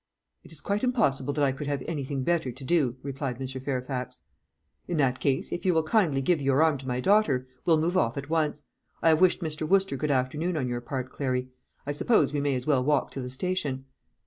"It is quite impossible that I could have anything better to do," replied Mr. Fairfax. "In that case, if you will kindly give your arm to my daughter, we'll move off at once. I have wished Mr. Wooster good afternoon on your part, Clary. I suppose we may as well walk to the station."